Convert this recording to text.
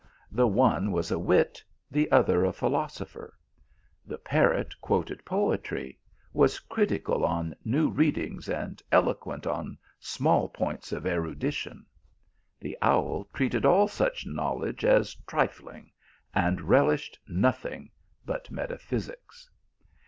The one was a wit, the other a philosopher. The parrot quoted poetry, was critical on new read ings, and eloquent on small points of erudition ; the THE PILGRIM OF LOVE. 209 owl treated all such knowledge as trifling 1 , and relished nothing but metaphysics.